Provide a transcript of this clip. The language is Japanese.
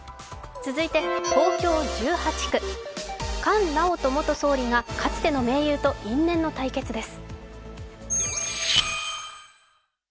続いて、東京１８区。菅直人元総理がかつての盟友と因縁の対決です。